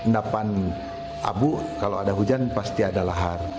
endapan abu kalau ada hujan pasti ada lahar